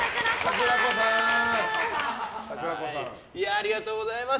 ありがとうございます。